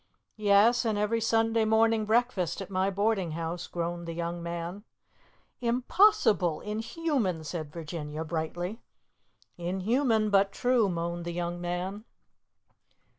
"Yes, and every Sunday morning breakfast at my boarding house," groaned the young man. "Impossible! Inhuman!" said Virginia brightly. "Inhuman, but true," moaned the young man.